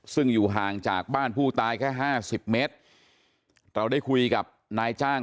ซึ่งอยู่ห่างจากบ้านผู้ตายแค่ห้าสิบเมตรเราได้คุยกับนายจ้าง